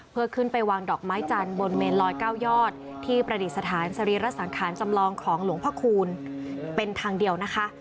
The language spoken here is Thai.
เพื่อขึ้นไปวางดอกไม้จันทร์บนเมนลอย๙ยอดที่ประดิษฐานสรีระสังขารจำลองของหลวงพ่อคูณเป็นทางเดียวนะคะ